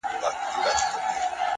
تاته پرده کي راځم تا نه بې پردې وځم’